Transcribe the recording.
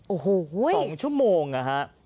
โอ้โห๒ชั่วโมงนะฮะ